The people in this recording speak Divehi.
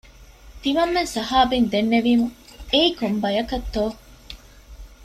ތިމަންމެން ޞަޙާބީން ދެންނެވީމު، އެއީ ކޮން ބަޔަކަށްތޯ